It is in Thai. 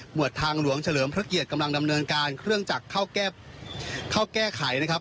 ทางหลวงเฉลิมพระเกียรติกำลังดำเนินการเครื่องจักรเข้าแก้ไขนะครับ